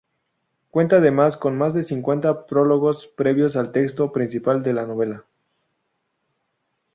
Cuenta, además, con más de cincuenta prólogos previos al "texto" principal de la novela.